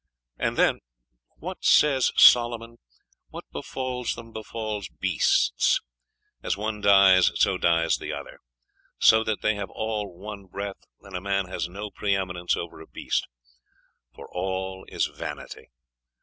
and then what says Solomon? What befalls them befalls beasts. As one dies, so dies the other; so that they have all one breath, and a man has no pre eminence over a beast; for all is vanity.